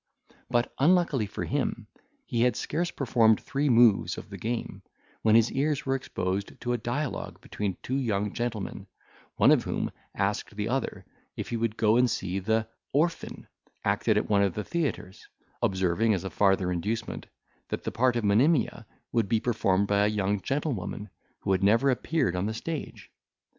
But, unluckily for him, he had scarce performed three moves of the game, when his ears were exposed to a dialogue between two young gentlemen, one of whom asked the other if he would go and see the "Orphan" acted at one of the theatres; observing, as a farther inducement, that the part of Monimia would be performed by a young gentlewoman who had never appeared on the stage.